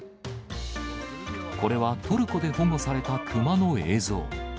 これは、トルコで保護されたクマの映像。